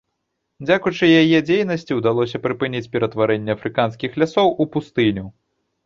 Дзякуючы яе дзейнасці ўдалося прыпыніць ператварэнне афрыканскіх лясоў у пустыню.